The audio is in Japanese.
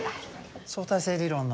相対性理論の。